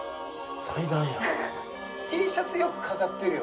祭壇やＴシャツよく飾ってるよね